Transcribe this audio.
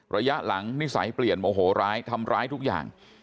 ระยะหลังนิสัยเปลี่ยนโมโหร้ายทำร้ายทุกอย่าง